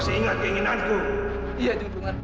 setelah aku mencari tuntungan aku akan mencari tuntungan